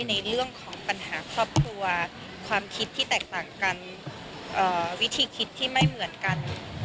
ในเรื่องของปัญหาครอบครัวความคิดที่แตกต่างกันวิธีคิดที่ไม่เหมือนกัน